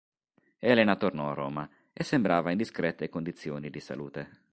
Elena tornò a Roma e sembrava in discrete condizioni di salute.